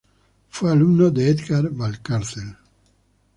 Fue alumno de Edgar Valcárcel.